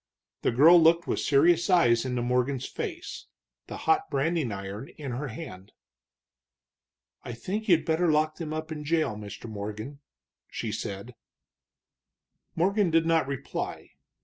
The girl looked with serious eyes into Morgan's face, the hot branding iron in her hand. "I think you'd better lock them up in jail, Mr. Morgan," she said. Morgan did not reply.